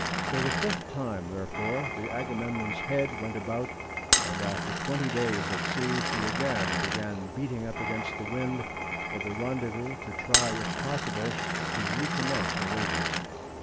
For the fifth time, therefore, the Agamemnon's head went about, and after twenty days at sea she again began beating up against the wind for the rendezvous to try, if possible, to recommence her labors.